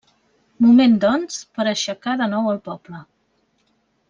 Moment doncs, per aixecar de nou el poble.